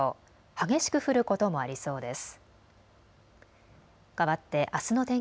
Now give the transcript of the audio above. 激しく降ることもありそうです。